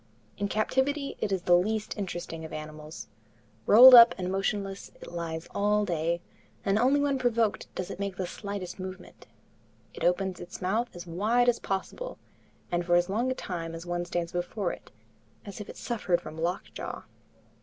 In captivity it is the least interesting of animals. Rolled up and motionless, it lies all day, and only when provoked does it make the slightest movement. It opens its mouth as wide as possible, and for as long a time as one stands before it, as if it suffered from lockjaw.